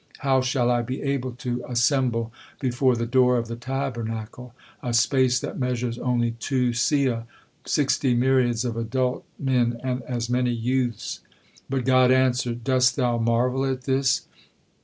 How shall I be able to assemble before the door of the Tabernacle, a space that measures only two seah, sixty myriads of adult men and as many youths?" But God answered: "Dost thou marvel at this?